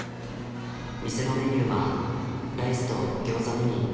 店のメニューはライスと餃子のみ。